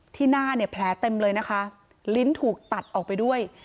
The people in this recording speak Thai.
หน้าเนี่ยแผลเต็มเลยนะคะลิ้นถูกตัดออกไปด้วย